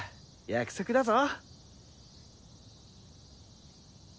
約束だぞ！